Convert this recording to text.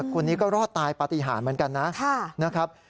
คนนี้ก็รอดตายปฏิหารเหมือนกันนะครับ